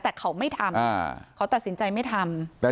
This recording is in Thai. แต่เขาไม่ทำเขาตัดสินใจไม่ทำ